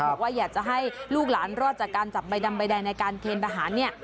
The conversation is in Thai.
บอกว่าอยากจะให้ลูกหลานรอดจากการจับใบดำใบแดงในการเคนทหารเนี่ย